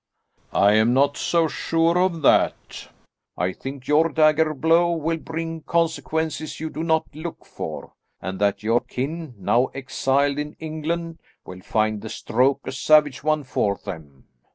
"I am not so sure of that. I think your dagger blow will bring consequences you do not look for, and that your kin, now exiled in England will find the stroke a savage one for them.